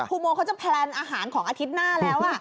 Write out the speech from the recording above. โมเขาจะแพลนอาหารของอาทิตย์หน้าแล้ว